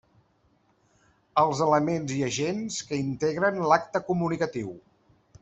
Els elements i agents que integren l'acte comunicatiu.